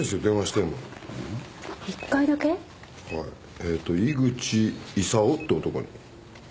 ええと井口勲って男に。